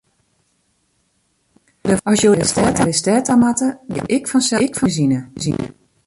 As jo derfoar nei de stêd ta moatte, dan betelje ik fansels de benzine.